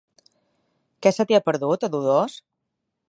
Què se t'hi ha perdut, a Dolors?